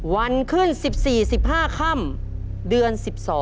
วันขึ้น๑๔๑๕ค่ำเดือน๑๒